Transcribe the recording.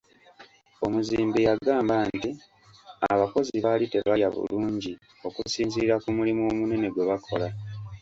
Omuzimbi yagamba nti abakozi baali tebalya bulungi okusinziira ku mulimu omunene gwe bakola.